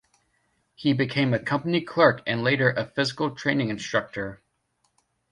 He became a company clerk and later a physical training instructor.